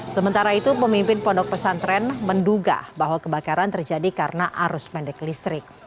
sementara itu pemimpin pondok pesantren menduga bahwa kebakaran terjadi karena arus pendek listrik